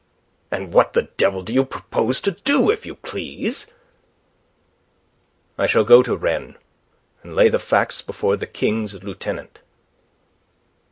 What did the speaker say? "And what the devil do you propose to do, if you please?" "I shall go to Rennes, and lay the facts before the King's Lieutenant."